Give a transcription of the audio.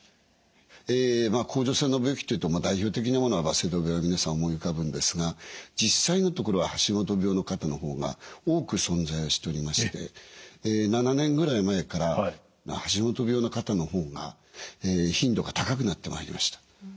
まあ甲状腺の病気っていうと代表的なものはバセドウ病は皆さん思い浮かぶんですが実際のところは橋本病の方のほうが多く存在しておりまして７年ぐらい前から橋本病の方のほうが頻度が高くなってまいりました。